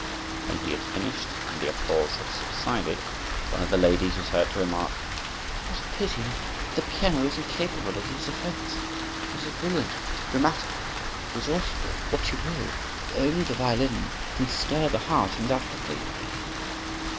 When he had finished and the applause had subsided, one of the ladies was heard to remark, "What a pity that the piano is incapable of these effects! It is brilliant, dramatic, resourceful, what you will; but only the violin can stir the heart in that way."